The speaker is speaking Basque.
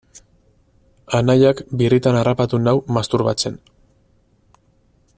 Anaiak birritan harrapatu nau masturbatzen.